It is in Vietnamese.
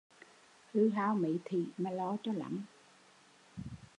Hư hao mấy thỉ mà lo cho lắm